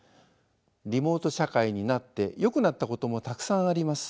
リモート社会になってよくなったこともたくさんあります。